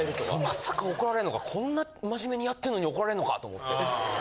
まさか怒られるのかこんな真面目にやってるのに怒られるのかと思って。